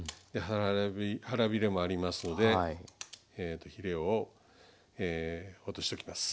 腹ビレもありますのでヒレを落としときます。